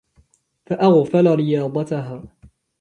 فَأَغْفَلَ رِيَاضَتَهَا